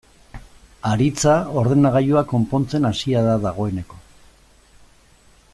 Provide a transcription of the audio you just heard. Aritza ordenagailua konpontzen hasia da dagoeneko.